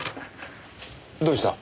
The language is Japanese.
どうした？